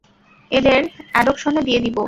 এদের অ্যাডপশনে দিয়ে দিবো।